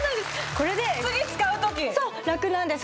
これでそう楽なんです